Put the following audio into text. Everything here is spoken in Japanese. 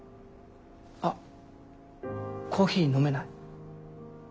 あっコーヒー飲めない？